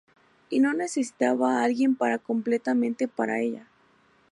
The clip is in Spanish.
Y no necesitaba a alguien para completamente para ella.